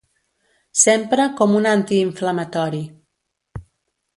S'empra com antiinflamatori.